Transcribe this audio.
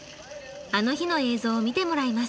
「あの日」の映像を見てもらいます。